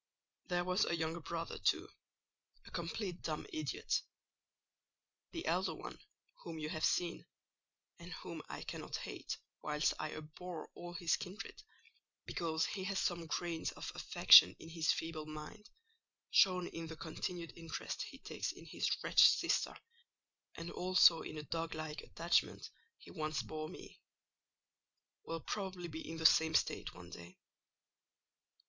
There was a younger brother, too—a complete dumb idiot. The elder one, whom you have seen (and whom I cannot hate, whilst I abhor all his kindred, because he has some grains of affection in his feeble mind, shown in the continued interest he takes in his wretched sister, and also in a dog like attachment he once bore me), will probably be in the same state one day.